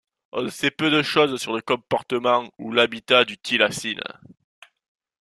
On sait peu de choses sur le comportement ou l’habitat du thylacine.